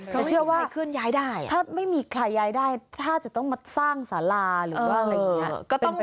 แต่เชื่อว่าถ้าไม่มีใครย้ายได้ถ้าจะต้องมาสร้างสาลาหรือว่าอะไรอย่างนี้